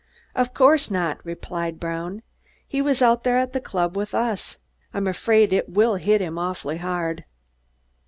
"Of course not," replied Brown. "He was out there at the club with us. I'm afraid it will hit him awfully hard."